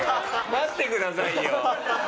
待ってくださいよ。